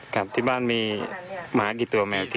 ครับที่บ้านมีหมากี่ตัวแมวกี่ตัวครับ